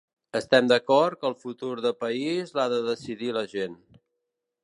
Estem d’acord que el futur de país l’ha de decidir la gent.